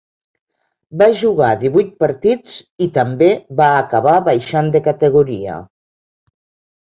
Va jugar divuit partits i també va acabar baixant de categoria.